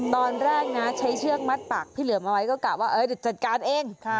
ตอนแรกนะใช้เชือกมัดปากพี่เหลือมเอาไว้ก็กะว่าจะจัดการเอง